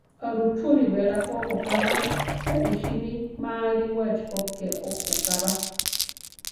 Achúrubi beláko okokába; pe isíini ma aliwáchi ko ké okóʼkaba.